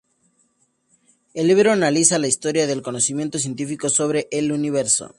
El libro analiza la historia del conocimiento científico sobre el universo.